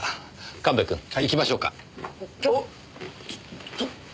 神戸くん行きましょうか。